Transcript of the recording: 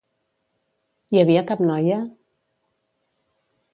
Hi havia cap noia?